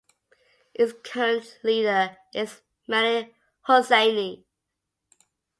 Its current leader is Mani Hussaini.